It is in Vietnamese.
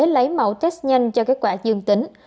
lấy mẫu test nhanh cho kết quả dương tính